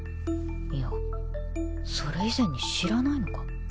いやそれ以前に知らないのか？